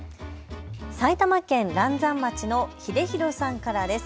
埼玉県嵐山町のひでひろさんからです。